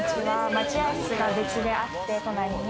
待合室が別であって、隣に。